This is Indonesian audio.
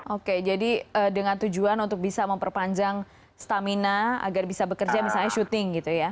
oke jadi dengan tujuan untuk bisa memperpanjang stamina agar bisa bekerja misalnya syuting gitu ya